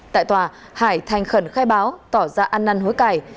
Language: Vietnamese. tại tòa hải thành khẩn khai báo tỏ ra ăn năn hối cải